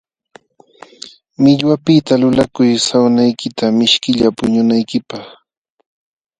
Millwapiqta lulakuy sawnaykita mishkilla puñunaykipaq.